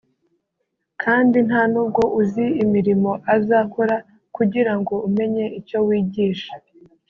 kandi nta n’ubwo uzi imirimo azakora kugira ngo umenye icyo wigisha"